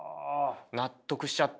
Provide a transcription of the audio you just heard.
納得しちゃった。